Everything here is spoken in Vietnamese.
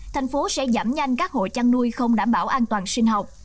thành phố sẽ giảm nhanh các hộ chăn nuôi không đảm bảo an toàn sinh học